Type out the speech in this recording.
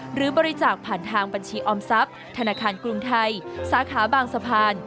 หรือบริจาคผ่านทางบัญชีออมทรัพย์ธนาคารกรุงไทยสาขาบางสะพาน